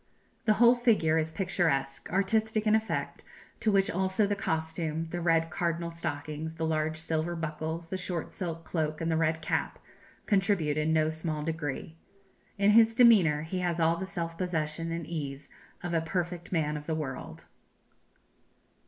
The whole figure is picturesque artistic in effect; to which also the costume the red cardinal stockings, the large silver buckles, the short silk cloak, and the red cap contribute in no small degree. In his demeanour he has all the self possession and ease of a perfect man of the world."